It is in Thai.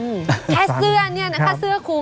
แค่เสื้อเนี่ยนะครับ